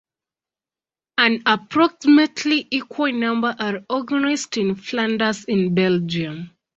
An approximately equal number are organised in Flanders in Belgium.